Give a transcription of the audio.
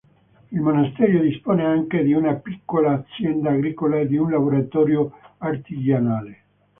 Il monastero dispone anche di una piccola azienda agricola e di un laboratorio artigianale.